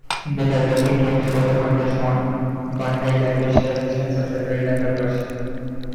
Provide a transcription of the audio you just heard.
In developing games for the WonderSwan, Bandai leveraged the assistance of several developers.